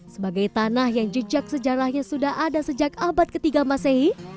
sebagai tanah yang jejak sejarahnya sudah ada sejak abad ketiga masehi